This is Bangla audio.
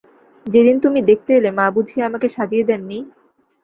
যেদিন তুমি দেখতে এলে মা বুঝি আমাকে সাজিয়ে দেন নি?